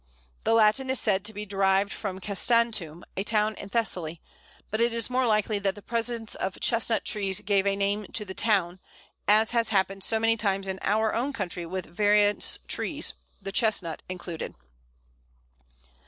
The Latin is said to be derived from Kastanum, a town in Thessaly, but it is more likely that the presence of Chestnut trees gave a name to the town, as has happened so many times in our own country with various trees, the Chestnut included.